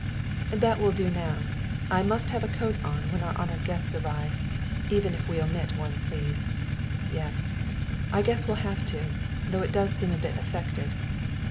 "That will do now. I must have on a coat when our honored guests arrive, even if we omit one sleeve yes, I guess we'll have to, though it does seem a bit affected.